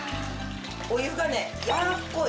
お湯がねやわっこい。